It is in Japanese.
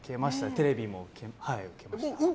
テレビも受けました。